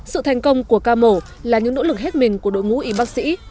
sự thành công của ca mổ là những nỗ lực hết mình của đội ngũ y bác sĩ